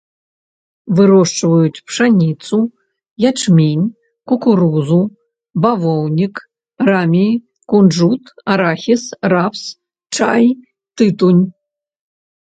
Вырошчваюць пшаніцу, ячмень, кукурузу, бавоўнік, рамі, кунжут, арахіс, рапс, чай, тытунь.